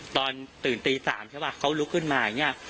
ตื่นตีสามใช่ปะเขาลุกขึ้นมาอย่างเงี้ย